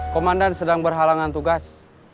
komandan sedang berhalangan tugas